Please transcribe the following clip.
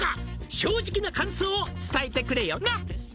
「正直な感想を伝えてくれよな」